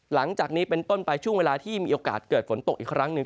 หลังจากนี้เป็นต้นไปช่วงเวลาที่มีโอกาสเกิดฝนตกอีกครั้งหนึ่ง